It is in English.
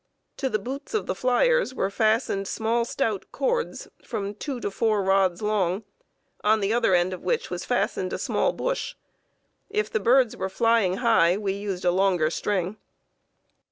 To the boots of the fliers were fastened small stout cords from two to four rods long, on the other end of which was fastened a small bush. If the birds were flying high, we used a longer string.